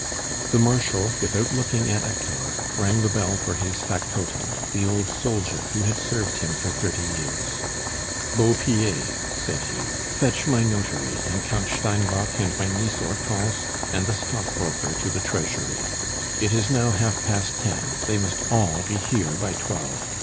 The Marshal, without looking at Hector, rang the bell for his factotum, the old soldier who had served him for thirty years. "Beau Pied," said he, "fetch my notary, and Count Steinbock, and my niece Hortense, and the stockbroker to the Treasury. It is now half past ten; they must all be here by twelve.